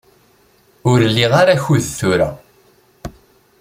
Ur liɣ ara akud tura.